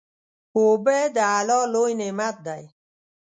اوبه د الله لوی نعمت دی.